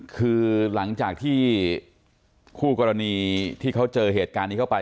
คือหลังจากที่คู่กรณีที่เขาเจอเหตุการณ์นี้เข้าไป